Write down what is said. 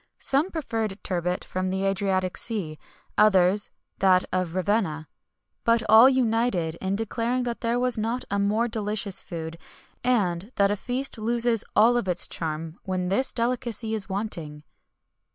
Some preferred turbot from the Adriatic Sea, others that of Ravenna;[XXI 96] but all united in declaring that there was not a more delicious food, and that a feast loses all its charm when this delicacy is wanting.